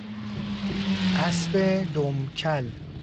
اسب دم کل